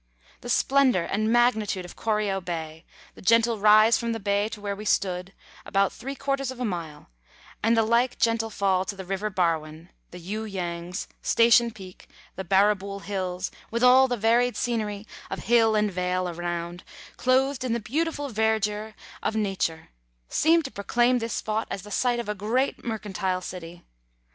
The splendour and magnitude of Corio Bay, the gentle rise from the bay to where we stood, about three quarters of a mile, and the like gentle fall to the River Barwon, the You Yangs, Station Peak, the Barrabool Hills, with all the varied scenery of hill and vale around clothed in the beautiful verdure of Nature, seemed to proclaim this spot as the site of a great mercantile city.